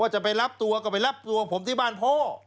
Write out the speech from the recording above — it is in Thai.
จะไปรับตัวก็ไปรับตัวผมที่บ้านพ่อ